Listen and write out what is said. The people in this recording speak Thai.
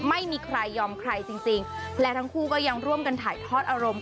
ไม่มีใครยอมใครจริงจริงและทั้งคู่ก็ยังร่วมกันถ่ายทอดอารมณ์